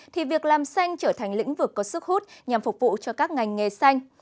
thì việc làm xanh trở thành lĩnh vực có sức hút nhằm phục vụ cho các ngành nghề xanh